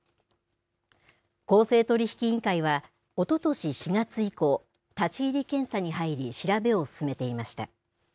公正取引委員会はおととし４月以降立ち入り検査に入り調べを進めていました。